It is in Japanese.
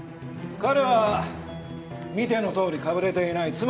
彼は見てのとおりかぶれていない。